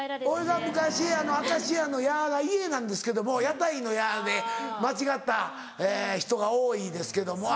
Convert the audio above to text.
俺が昔明石家の「家」が「いえ」なんですけども屋台の「屋」で間違った人が多いですけども。